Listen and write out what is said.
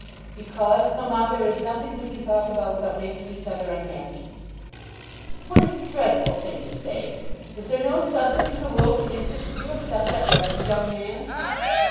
"Because, mamma, there is nothing we can talk about without making each other unhappy." "What a dreadful thing to say! Is there no subject in the world to interest you except that wretched young man?"